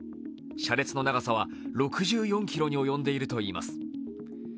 車列の長さは６４ｋｍに及んでいるといいます。